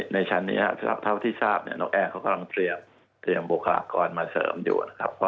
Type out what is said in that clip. ในชั้นนี้เท่าที่ทราบนกแอร์เขากำลังเตรียมบุคลากรมาเสริมอยู่นะครับ